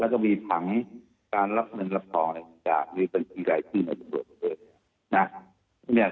และก็มีทั้งการรับเงินรับส่องอีกแบบการดูปัญหาไปกัน